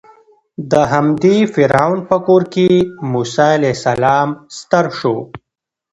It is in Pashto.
د همدې فرعون په کور کې موسی علیه السلام ستر شو.